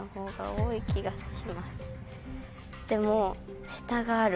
でも下がある。